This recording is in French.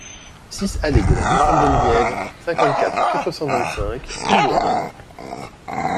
six allée de la Butte Sainte-Geneviève, cinquante-quatre, quatre cent vingt-cinq, Pulnoy